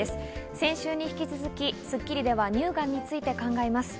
先週に引き続き『スッキリ』では乳がんについて考えます。